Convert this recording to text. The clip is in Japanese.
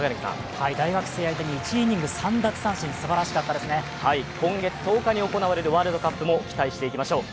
大学生相手に１イニング３奪三振、今月１０日に行われるワールドカップも期待していきましょう。